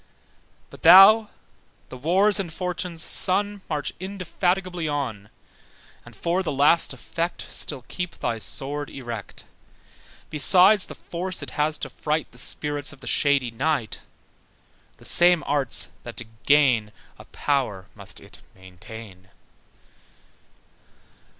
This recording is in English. But thou, the Wars' and Fortune's son, March indefatigably on, And for the last effect Still keep thy sword erect: Besides the force it has to fright The spirits of the shady night, The same arts that did gain A power, must it maintain.